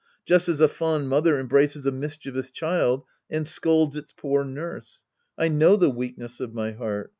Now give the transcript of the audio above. Just as a fond mother embraces a mischie vous child and scolds its poor nurse. I know the weakness of my heart.